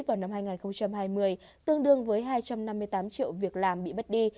vào năm hai nghìn hai mươi tương đương với hai trăm năm mươi tám triệu việc làm bị bắt đi